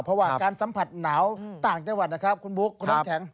เพราะว่าการสัมผัสหนาวต่างจังหวัดนะครับคุณบุ๊คคุณน้ำแข็ง